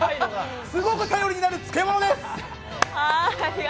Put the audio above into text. すごく頼りになる漬け物です！